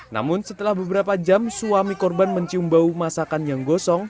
namun setelah beberapa jam suami korban mencium bau masakan yang gosong